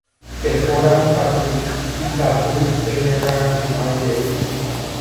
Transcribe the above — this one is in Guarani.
Pehóramo katu, ikatu peñakãrapu'ãjey.